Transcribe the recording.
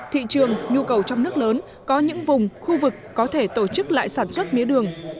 thị trường nhu cầu trong nước lớn có những vùng khu vực có thể tổ chức lại sản xuất mía đường